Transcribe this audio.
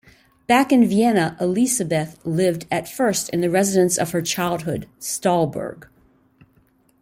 Back in Vienna, Elisabeth lived at first in the residence of her childhood, Stallburg.